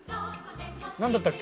何だったっけ？